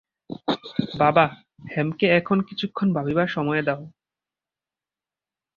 বাবা, হেমকে এখন কিছুক্ষণ ভাবিবার সময় দাও।